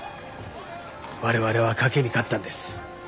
我々は賭けに勝ったんです。